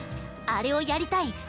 「あれをやりたい」